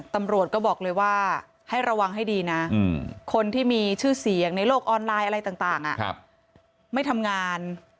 ตำรวจก็บอกเลยว่าให้ระวังให้ดีนะคนที่มีชื่อเสียงในโลกออนไลน์อะไรต่างไม่ทำงาน